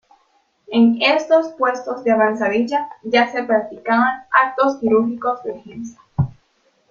En estos puestos de avanzadilla ya se practicaban actos quirúrgicos de urgencia.